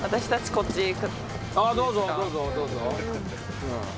あっどうぞどうぞどうぞ。